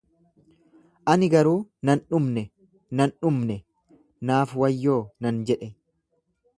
Ani garuu: nan dhumne, nan dhumne, naaf wayyoo! nan jedhe.